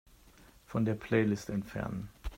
Von der Playlist entfernen.